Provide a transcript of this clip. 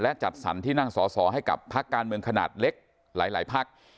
และจัดสรรที่นั่งสอสอให้กับพักการเมืองขนาดเล็กหลายพัก